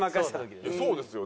そうですよ。